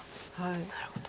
なるほど。